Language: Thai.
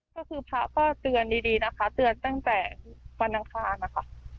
ก็คือพระก็เตือนดีนะคะเตือนตั้งแต่วันอังคารนะคะ